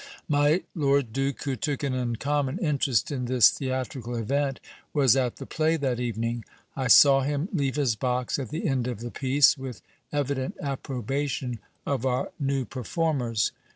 My lord duke, who took an uncommon interest in this theatrical event, was at the play that evening. I saw him leave his box at the end of the piece, with evident approbation of our new performers.